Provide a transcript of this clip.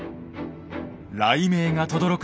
雷鳴がとどろく